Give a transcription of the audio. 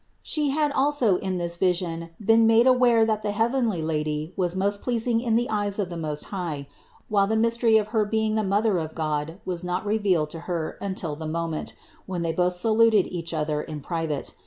She had also in this vision been made aware that the heavenly Lady was most pleasing in the eyes of the Most High; while the mystery of her being the Mother of God was not revealed to her until the moment, when they both saluted each other in private.